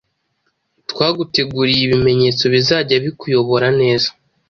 twaguteguriye ibimenyetso bizajya bikuyobora neza.